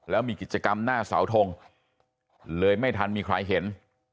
แล้วมีกิจกรรมหน้าเสาทงเลยไม่ทันมีใครเห็น